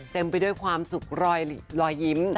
ไปด้วยความสุขรอยยิ้ม